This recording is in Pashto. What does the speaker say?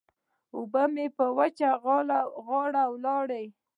اوبه مې په وچه غاړه ولاړې.